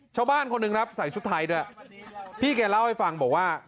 ชาวบ้านคนหนึ่งครับใส่ชุดไทยด้วยพี่แกเล่าให้ฟังบอกว่า